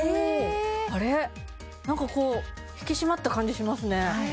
えなんかこう引き締まった感じしますねねえ